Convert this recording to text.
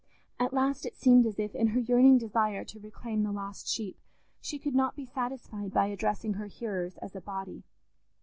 At last it seemed as if, in her yearning desire to reclaim the lost sheep, she could not be satisfied by addressing her hearers as a body.